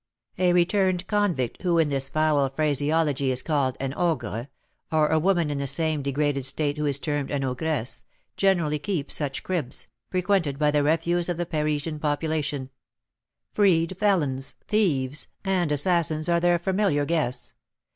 A returned convict, who, in this foul phraseology, is called an "ogre," or a woman in the same degraded state, who is termed an "ogress," generally keep such "cribs," frequented by the refuse of the Parisian population; freed felons, thieves, and assassins are there familiar guests.